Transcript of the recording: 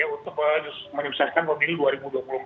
untuk menyesuaikan pemerintah dua ribu dua puluh empat